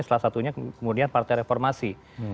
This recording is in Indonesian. salah satunya kemudian partai reformasi